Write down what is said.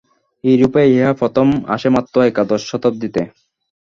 ইউরোপে উহা প্রথম আসে মাত্র একাদশ শতাব্দীতে।